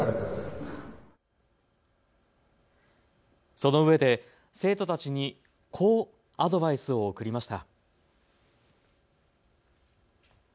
そのうえで生徒たちにこうアドバイスを送りました。